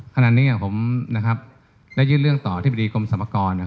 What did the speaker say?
ขณะนี้ผมได้ยื่นเรื่องต่ออธิบดีกรมสรรพากร